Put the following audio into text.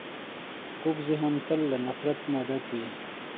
کوږ ذهن تل له نفرت نه ډک وي